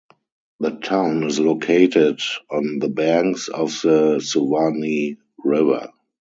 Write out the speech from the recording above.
The town is located on the banks of the Suwannee River.